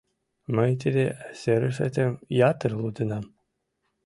Мый тиде серышетым ятыр лудынам.